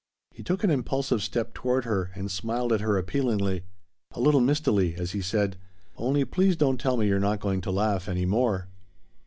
He took an impulsive step toward her and smiled at her appealingly, a little mistily, as he said: "Only please don't tell me you're not going to laugh any more."